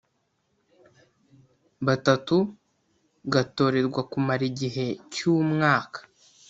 batatu gatorerwa kumara igihe cy umwaka